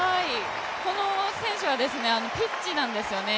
この選手はピッチなんですよね。